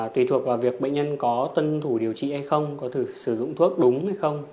tùy thuộc vào việc bệnh nhân có tuân thủ điều trị hay không có sử dụng thuốc đúng hay không